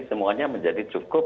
semuanya menjadi cukup